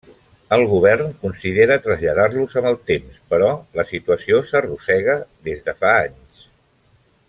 El govern considera traslladar-los amb el temps, però la situació s'arrossega des de fa anys.